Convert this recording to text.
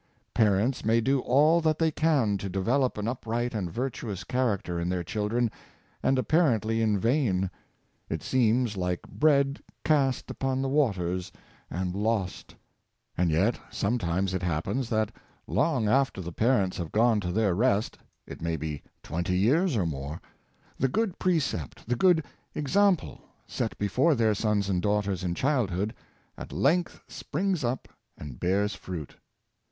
Parents may do all that they can to develop an upright and virtuous character in their children, and apparently in vain. It seems like bread cast upon the waters and lost. And yet sometimes it happens that long after the parents have gone to their rest — it may be twenty years or more — the good precept, the good example set before their sons and daughters in child hood, at length springs up and bears fruit.